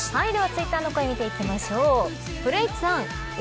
ツイッターの声を見ていきましょう。